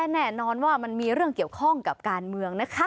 แน่นอนว่ามันมีเรื่องเกี่ยวข้องกับการเมืองนะคะ